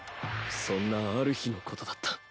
そんなある日のことだった。